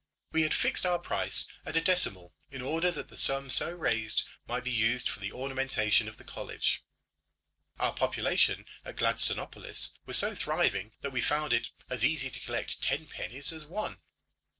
We had fixed our price at a decimal in order that the sum so raised might be used for the ornamentation of the college. Our population at Gladstonopolis was so thriving that we found it as easy to collect ten pennies as one.